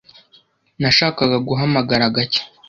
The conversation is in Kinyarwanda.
Nashakaga guhamagara gake.